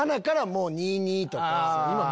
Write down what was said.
もう２２とか。